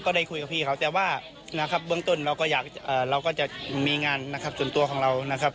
ก็ได้คุยกับพี่เขาแต่ว่าเบื้องต้นเราก็จะมีงานส่วนตัวของเรานะครับ